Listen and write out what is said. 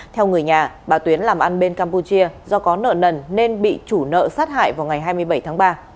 theo người nhà bà tuyến làm ăn bên campuchia do có nợ nần nên bị chủ nợ sát hại vào ngày hai mươi bảy tháng ba